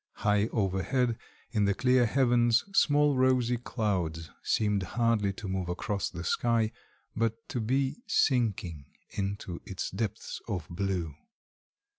High overhead in the clear heavens small rosy clouds seemed hardly to move across the sky but to be sinking into its depths of blue.